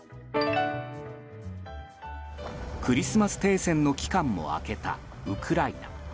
クリスマス停戦の期間も明けたウクライナ。